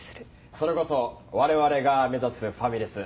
それこそ我々が目指すファミレス